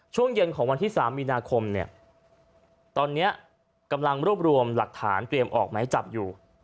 ช่วงเย็นของวันที่๓มีนาคมเนี่ยตอนนี้กำลังรวบรวมหลักฐานเตรียมออกไม้จับอยู่